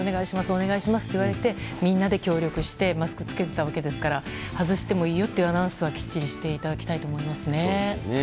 お願いしますって言われてみんなで協力してマスクを着けてたわけですから外してもいいよっていうアナウンスはきっちりしていただきたいなと思いますね。